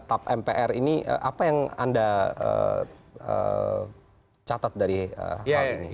tap mpr ini apa yang anda catat dari hal ini